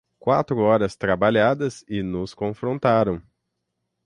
Quatro horas trabalhadas e nos confrontaram.